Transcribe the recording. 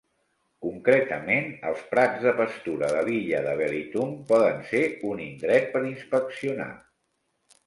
Concretament, els prats de pastura de l'illa de Belitung poden ser un indret per inspeccionar.